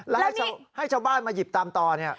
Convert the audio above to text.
แล้วให้ชาวบ้านมาหยิบตามต่อเนี่ย